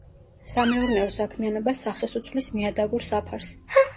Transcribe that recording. სამეურნეო საქმიანობა სახეს უცვლის ნიადაგურ საფარს.